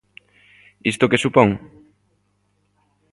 ¿Isto que supón?